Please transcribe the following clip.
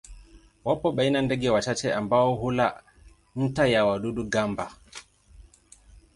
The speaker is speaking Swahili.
Wapo baina ndege wachache ambao hula nta ya wadudu-gamba.